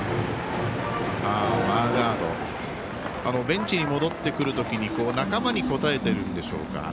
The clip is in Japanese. マーガードベンチに戻ってくるときに仲間に応えているんでしょうか。